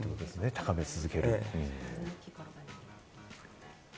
高め続ける。